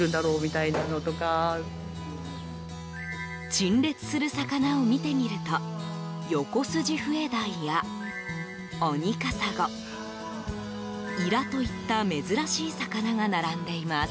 陳列する魚を見てみるとヨコスジフエダイやオニカサゴイラといった珍しい魚が並んでいます。